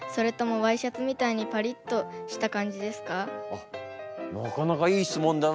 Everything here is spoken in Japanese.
あっなかなかいい質問だな。